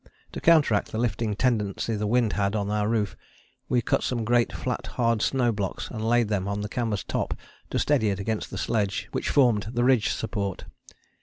To counteract the lifting tendency the wind had on our roof we cut some great flat hard snow blocks and laid them on the canvas top to steady it against the sledge which formed the ridge support.